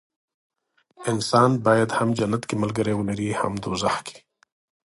انسان باید هم په جنت کې ملګري ولري هم په دوزخ کې.